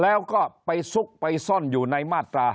แล้วก็ไปซุกไปซ่อนอยู่ในมาตรา